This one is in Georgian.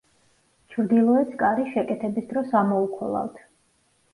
ჩრდილოეთს კარი შეკეთების დროს ამოუქოლავთ.